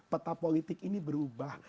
peta politik ini berubah